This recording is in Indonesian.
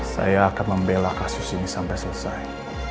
saya akan membela kasus ini sampai selesai